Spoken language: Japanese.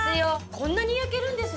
こんなに焼けるんですね。